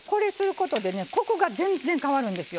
ことでねコクが全然変わるんですよ。